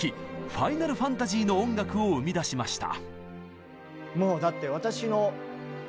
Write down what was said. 「ファイナルファンタジー」の音楽を生み出しました。